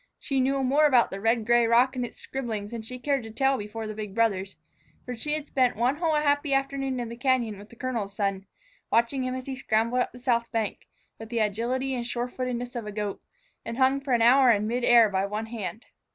She knew more about the red gray rock and its scribblings than she cared to tell before the big brothers, for she had spent one whole happy afternoon in the cañon with the colonel's son, watching him as he scrambled up the south bank, with the agility and sure footedness of a goat, and hung for an hour in mid air by one hand.